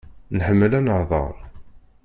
Nḥemmel ad nehḍer.